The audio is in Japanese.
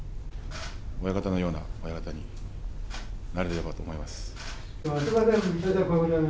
親方のような親方になれればと思います。